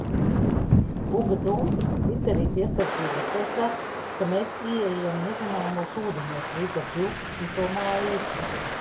Uga Dumpis tviterī piesardzīgi izteicās, ka mēs ieejam nezināmos ūdeņos līdz ar divpadsmito maiju.